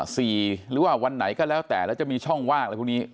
หรือว่าวันไหนก็แล้วแต่แล้วจะมีช่องว่างอะไรพวกนี้